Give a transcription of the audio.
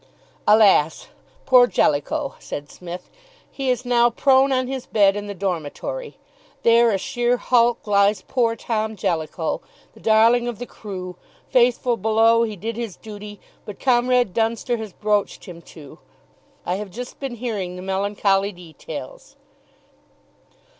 "Alas, poor Jellicoe!" said Psmith. "He is now prone on his bed in the dormitory there a sheer hulk lies poor Tom Jellicoe, the darling of the crew, faithful below he did his duty, but Comrade Dunster has broached him to. I have just been hearing the melancholy details."